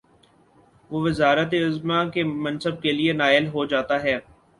وہ وزارت عظمی کے منصب کے لیے نااہل ہو جا تا ہے۔